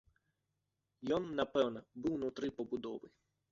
Ён, напэўна, быў унутры пабудовы.